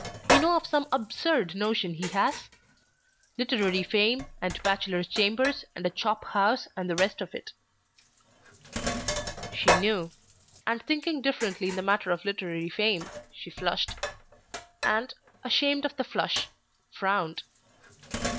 You know of some absurd notion he has? literary fame, and bachelor's chambers, and a chop house, and the rest of it." She knew, and thinking differently in the matter of literary fame, she flushed, and, ashamed of the flush, frowned.